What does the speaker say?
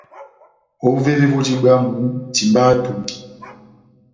Ovévé voji bwámu, timbaha etungi.